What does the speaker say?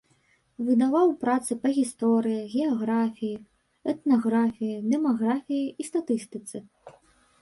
Выдаваў працы па гісторыі, геаграфіі, этнаграфіі, дэмаграфіі і статыстыцы.